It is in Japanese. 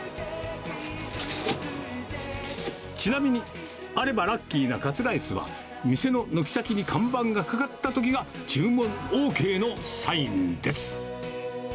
ちなみに、あればラッキーなカツライスは、店の軒先に看板が掛かったときが注文ＯＫのサインです。